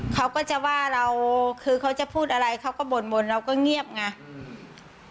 เขาก็จะว่าเราคือเขาจะพูดอะไรเขาก็บ่นบ่นเราก็เงียบไงอืม